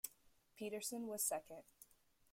Peterson was second.